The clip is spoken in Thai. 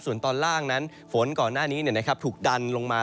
ส่วนตอนล่างนั้นฝนก่อนหน้านี้ถูกดันลงมา